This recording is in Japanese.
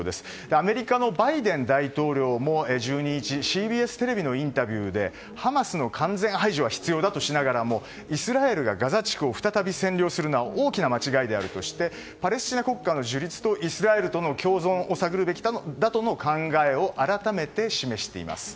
アメリカのバイデン大統領も１２日ＣＢＳテレビのインタビューでハマスの完全排除は必要だとしながらもイスラエルがガザ地区を再び占領するのは大きな間違いであるとしてパレスチナ国家の樹立とイスラエルとの共存を探るべきだとの考えを改めて示しています。